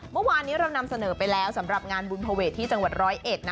เมื่อวานนี้เรานำเสนอไปแล้วสำหรับงานบุญภเวทที่จังหวัดร้อยเอ็ดนะ